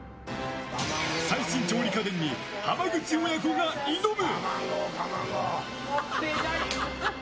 最新調理家電に浜口親子が挑む！